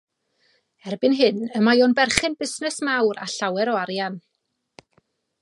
Erbyn hyn, y mae o yn berchen busnes mawr a llawer o arian.